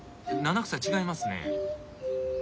七草違いますね。